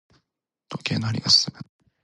時計の針が進む。